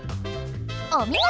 お見事！